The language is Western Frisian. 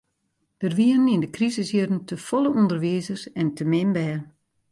Der wienen yn de krisisjierren te folle ûnderwizers en te min bern.